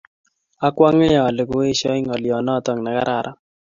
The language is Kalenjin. akwange ale koeshoi ngolyo notok ne karan